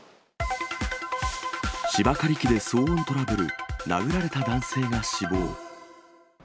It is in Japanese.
芝刈り機で騒音トラブル、殴られた男性が死亡。